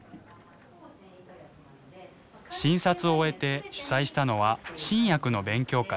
診察を終えて主催したのは新薬の勉強会。